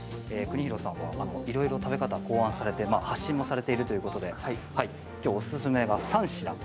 邦裕さんは、いろいろ食べ方考案されて発信もされているということできょうおすすめが３品。